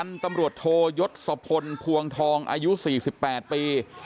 พตโทยศส่พลภวงทองอายุ๔๘ปี